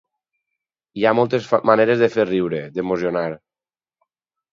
Hi ha moltes maneres de fer riure, d’emocionar.